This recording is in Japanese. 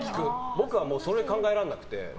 僕はそれは考えられなくて。